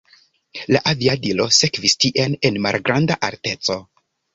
La aviadilo sekvis tien en malgranda alteco.